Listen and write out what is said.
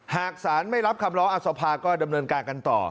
หากสารไม่รับคำร้องอสภาก็ดำเนินการกันต่อ